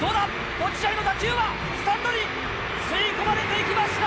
落合の打球はスタンドに吸い込まれていきました！